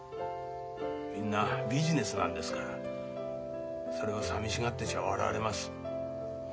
みんなビジネスなんですからそれをさみしがってちゃ笑われます。